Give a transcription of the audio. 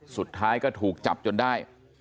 สุดท้ายก็ถูกจับจนได้